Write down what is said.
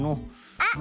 あっ！